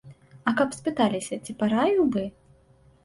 А каб спыталіся, ці параіў бы?